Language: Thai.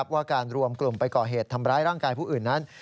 ว่าการรวมกลุ่มไปก่อเหตุทำร้ายร่างกายผู้อื่นนั้น